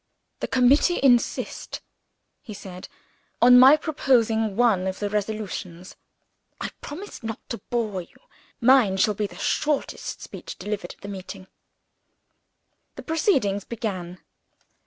"The committee insist," he said, "on my proposing one of the Resolutions. I promise not to bore you; mine shall be the shortest speech delivered at the meeting." The proceedings began.